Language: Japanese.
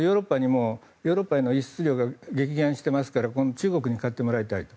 ヨーロッパへの輸出量が激減していますから今度、中国に買ってもらいたいと。